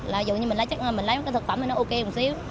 là dù như mình lấy chắc là mình lấy một cái thực phẩm thì nó ok một xíu